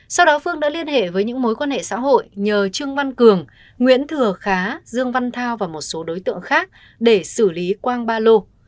sau đó phương đã liên hệ với những mối quan hệ xã hội nhờ trương văn cường nguyễn thừa khá dương văn thao và một số đối tượng khác để xử lý quang ba lô